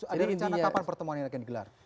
ada rencana kapan pertemuan yang akan digelar